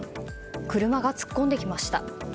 車が突っ込んできました。